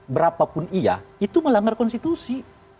berapapun iya itu melanggar konstitusi